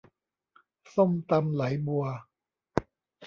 ส้มตำไหลบัว